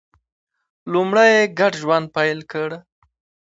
لومړی یې ګډ ژوند پیل کړ.